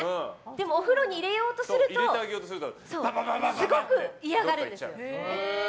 でもお風呂に入れようとするとすごく嫌がるんですよ。